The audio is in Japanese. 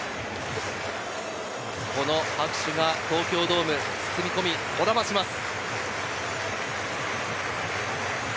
この拍手が東京ドームを包み込み、こだまします。